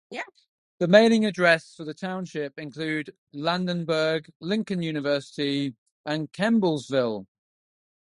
The mailing addresses for the township include Landenberg, Lincoln University, and Kemblesville.